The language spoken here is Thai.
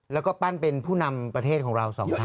แล้วก็ปั้นเป็นผู้นำประเทศของเราสองท่าน